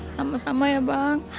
sama sama ya bang